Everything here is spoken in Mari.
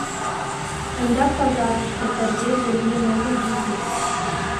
Ондак пазарыште ты рвезе лийын огыл, витне.